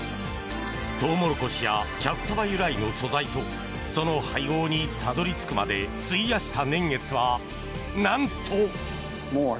トウモロコシやキャッサバ由来の素材とその配合にたどり着くまで費やした年月は、なんと。